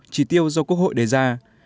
chỉ tiêu do quốc hội đề ra